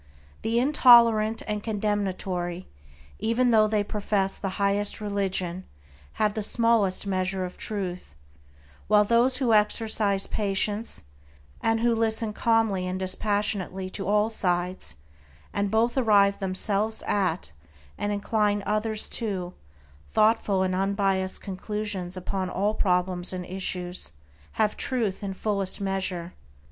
The intolerant and condemnatory, even though they profess the highest religion, have the smallest measure of Truth; while those who exercise patience, and who listen calmly and dispassionately to all sides, and both arrive themselves at, and incline others to, thoughtful and unbiased conclusions upon all problems and issues, have Truth in fullest measure.